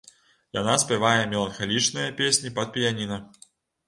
Яна спявае меланхалічныя песні пад піяніна.